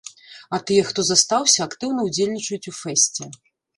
А тыя, хто застаўся, актыўна ўдзельнічаюць у фэсце.